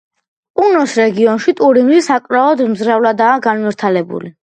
პუნოს რეგიონში ტურიზმი საკმაოდ მძლავრადაა განვითარებული.